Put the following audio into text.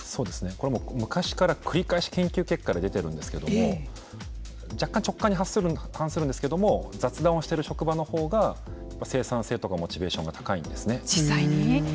これは昔から繰り返し研究結果で出ているんですけれども若干直感に反するんですけれども雑談をしている職場のほうが生産性とかモチベーションが実際に？